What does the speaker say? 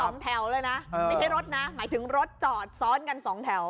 ไม่ใช่รถนะหมายถึงรถจอดซ้อนกันสองแถว